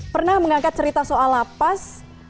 pernah mengangkat cerita soal lapas